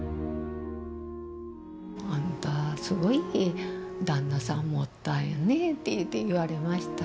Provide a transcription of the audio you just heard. あんたすごい旦那さん持ったよねっていって言われました。